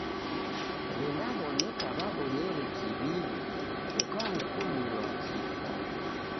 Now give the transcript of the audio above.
W'endaw'oneka wabonyere kiw'iw'i ukahukumilwa kifwa.